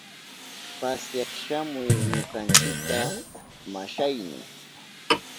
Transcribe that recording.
Pasyak shamuy ñukanchita, mashayni.